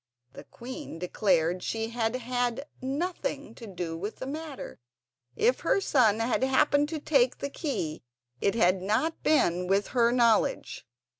The queen declared she had had nothing to do with the matter; if her son had happened to take the key it had not been with her knowledge.